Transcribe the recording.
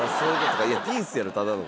いやピースやろただの。